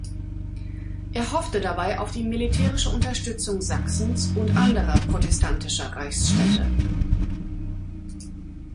Er hoffte dabei auf die militärische Unterstützung Sachsens und anderer protestantischer Reichsstände.